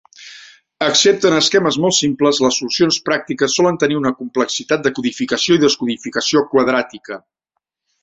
Excepte en esquemes molt simples, les solucions pràctiques solen tenir una complexitat de codificació i descodificació quadràtica.